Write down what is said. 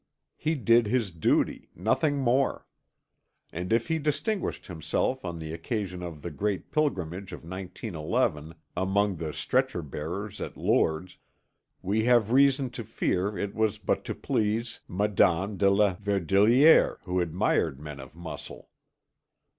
He did his duty, nothing more; and if he distinguished himself on the occasion of the great pilgrimage of 1911 among the stretcher bearers at Lourdes, we have reason to fear it was but to please Madame de la Verdelière, who admired men of muscle.